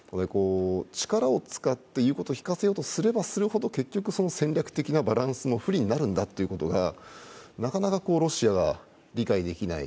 力を使って言うことを聞かせようとすればするほど結局、戦力的なバランスも不利になるんだということが、なかなかロシアが理解できない。